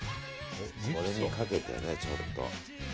これにかけてね、ちょっと。